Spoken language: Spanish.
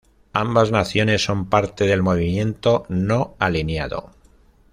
Ambas naciones son parte del Movimiento No Alineado.